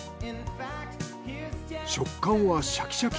食感はシャキシャキ。